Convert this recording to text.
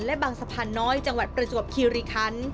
และบางสะพานน้อยจังหวัดประจวบคิริคัน